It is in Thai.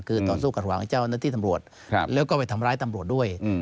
คือต่อสู้กันหวังให้เจ้าหน้าที่ตำรวจแล้วก็ไปทำร้ายตำรวจด้วย